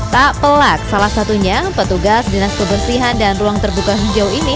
tak pelak salah satunya petugas dinas kebersihan dan ruang terbuka hijau ini